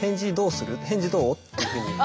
「返事どう？」っていうふうに。